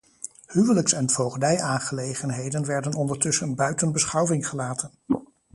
Huwelijks- en voogdijaangelegenheden werden ondertussen buiten beschouwing gelaten.